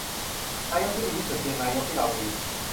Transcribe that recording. นายกที่ดีที่สุด คือนายกที่เรามี